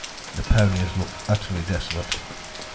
The ponies look utterly desolate.